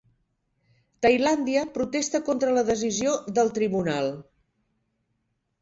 Tailàndia protesta contra la decisió del tribunal